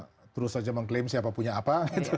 kita terus saja mengklaim siapa punya apa